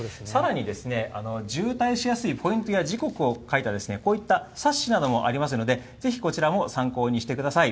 さらに、渋滞しやすいポイントや時刻を書いた、こういった冊子などもありますので、ぜひこちらも参考にしてください。